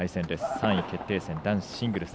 ３位決定戦、男子シングルス。